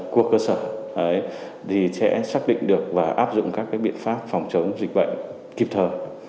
của cơ sở thì sẽ xác định được và áp dụng các biện pháp phòng chống dịch bệnh kịp thời